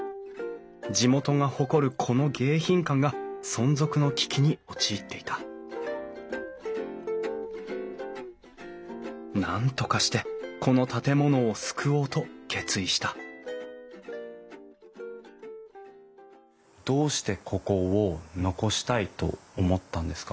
地元が誇るこの迎賓館が存続の危機に陥っていたなんとかしてこの建物を救おうと決意したどうしてここを残したいと思ったんですか？